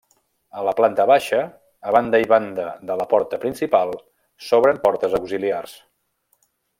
A la planta baixa, a banda i banda de la porta principal, s'obren portes auxiliars.